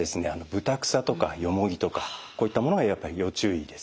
ブタクサとかヨモギとかこういったものがやっぱり要注意ですね。